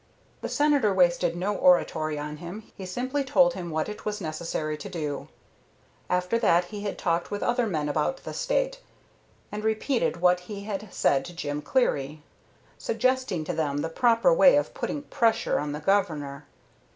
The Senator wasted no oratory on him, he simply told him what it was necessary to do. After that he talked with other men about the State, and repeated what he had said to Jim Cleary, suggesting to them the proper way for putting "pressure" on the Governor.